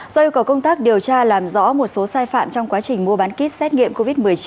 do yêu cầu công tác điều tra làm rõ một số sai phạm trong quá trình mua bán kit xét nghiệm covid một mươi chín